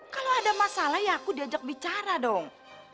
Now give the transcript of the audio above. kalau ada masalah ya aku diajak bicara dong